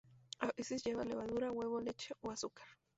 A veces lleva levadura, huevo, leche o azúcar.